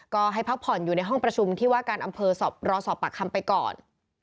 ก็ให้พักผ่อนอยู่ในห้องประชุมที่ว่าการอำเภอรอสอบปากคำไปก่อน